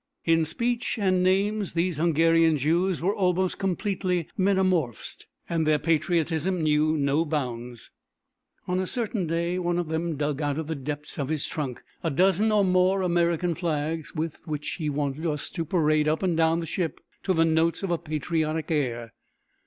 In speech and names these Hungarian Jews were almost completely metamorphosed, and their patriotism knew no bounds. On a certain day one of them dug out of the depths of his trunk a dozen or more American flags, with which he wanted us to parade up and down the ship to the notes of a patriotic air.